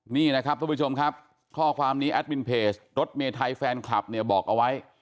นี่นะครับทุกผู้ชมครับข้อความนี้แอดมินเพจรถเมไทยแฟนคลับเนี่ยบอกเอาไว้